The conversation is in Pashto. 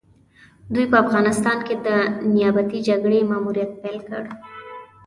دوی په افغانستان کې د نيابتي جګړې ماموريت پيل کړ.